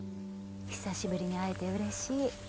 久しぶりに会えてうれしい。